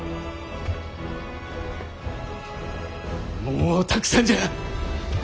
もうたくさんじゃ。